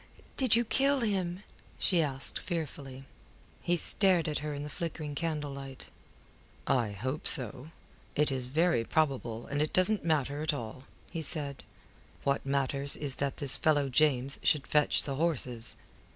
did you kill him?" she asked, fearfully. He stared at her in the flickering candlelight. "I hope so. It is very probable, and it doesn't matter at all," he said. "What matters is that this fellow James should fetch the horses."